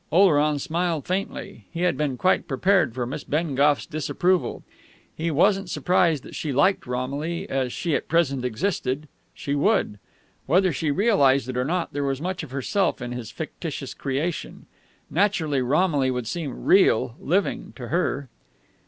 Oleron smiled faintly. He had been quite prepared for Miss Bengough's disapproval. He wasn't surprised that she liked Romilly as she at present existed; she would. Whether she realised it or not, there was much of herself in his fictitious creation. Naturally Romilly would seem "real," "living," to her....